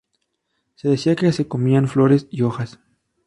Se decía que se comían flores y hojas.